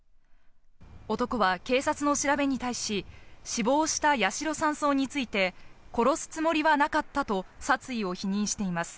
男は警察の調べに対し、死亡した八代３曹について、殺すつもりはなかったと殺意を否認しています。